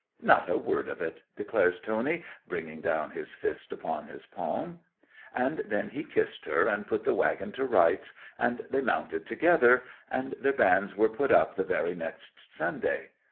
'"Not a word of it!" declares Tony, bringing down his fist upon his palm. 'And then he kissed her, and put the waggon to rights, and they mounted together; and their banns were put up the very next Sunday.